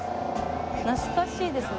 懐かしいですね。